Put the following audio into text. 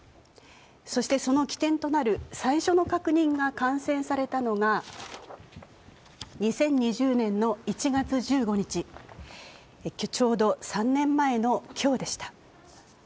そしてその起点となる最初の感染が確認されたのが２０２０年の１月１５日、ちょうど３年前の今日でした。